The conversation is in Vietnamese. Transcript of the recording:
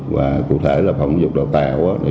và cụ thể là phòng giáo dục đào tạo